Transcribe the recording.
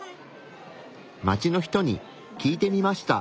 街の人に聞いてみました。